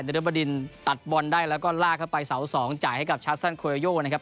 นัดดับดินตัดบอลได้แล้วก็ลากเข้าไปเสาสองจ่ายให้กับชัดสั้นโคยโย่นะครับ